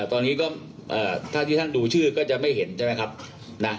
ตอนนี้ก็ถ้าที่ท่านดูชื่อก็จะไม่เห็นใช่ไหมครับนะ